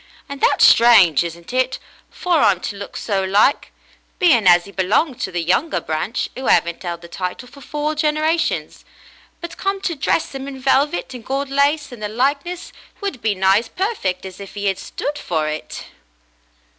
And that's strange, isn't it, for 'im to look so like, being as 'e belonged to the younger branch who 'aven't 'eld the title for four generations ; but come to dress 'im in velvet and gold lace, and the likeness would be nigh as perfect as if 'e 'ad stood for it."